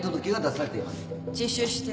自首して